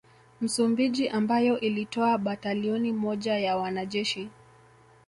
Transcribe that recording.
Msumbiji ambayo ilitoa batalioni moja ya wanajeshi